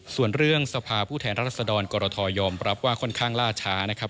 ส่วนเรื่องสภาพผู้แทนรัศดรกรทยอมรับว่าค่อนข้างล่าช้านะครับ